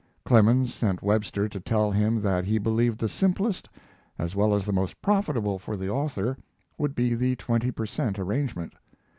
Clemens sent Webster to tell him that he believed the simplest, as well as the most profitable for the author, would be the twenty per cent. arrangement.